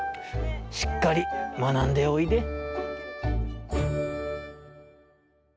しっかりまなんでおいで。